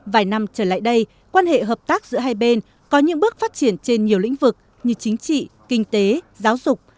vài năm trở lại đây quan hệ hợp tác giữa hai bên có những bước phát triển trên nhiều lĩnh vực như chính trị kinh tế giáo dục